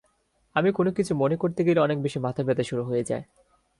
আমি কোনো কিছু মনে করতে গেলে অনেক বেশি মাথা ব্যথা শুরু হয়ে যায়।